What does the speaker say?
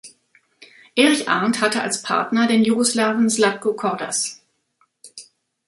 Erich Arndt hatte als Partner den Jugoslawen Zlatko Cordas.